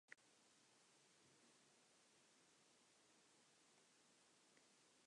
His remains are buried at the Brush Creek Cemetery, in nearby Irwin.